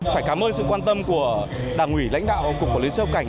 phải cảm ơn sự quan tâm của đảng ủy lãnh đạo cục quản lý xuất cảnh